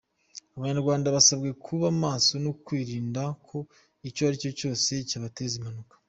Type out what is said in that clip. Abanyarwanda basabwe kuba maso no kwirinda ko icyo ari cyo cyose cyabateza impanuka.